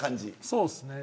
そうですね。